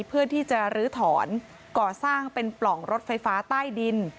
เพื่อที่จะลื้อถอนก่อสร้างเป็นปล่องรถไฟฟ้าใต้ดิน